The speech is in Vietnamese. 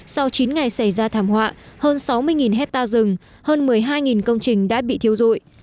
sau chín ngày xảy ra thảm họa hơn sáu mươi hectare rừng hơn một mươi hai công trình đã bị thiếu rụi